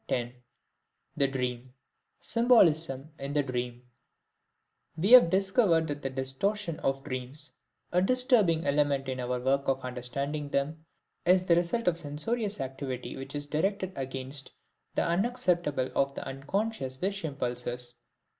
TENTH LECTURE THE DREAM Symbolism in the Dream We have discovered that the distortion of dreams, a disturbing element in our work of understanding them, is the result of a censorious activity which is directed against the unacceptable of the unconscious wish impulses.